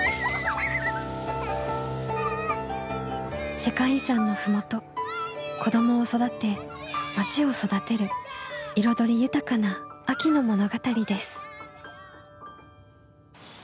世界遺産の麓子どもを育てまちを育てる彩り豊かな秋の物語です。